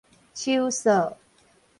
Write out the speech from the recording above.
秋燥